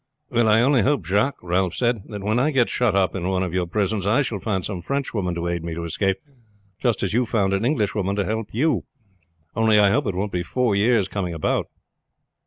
"Well, I only hope, Jacques," Ralph said, "that when I get shut up in one of your prisons I shall find some French woman to aid me to escape, just as you found an English woman to help you; only I hope it won't be four years coming about."